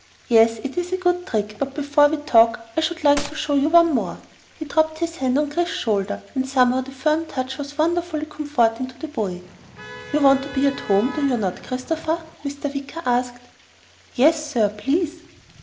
"Yes, it is a good trick, but before we talk, I should like to show you one more." He dropped his hand on Chris's shoulder and somehow the firm touch was wonderfully comforting to the boy. "You want to be at home, do you not, Christopher?" Mr. Wicker asked. "Yes sir. Please."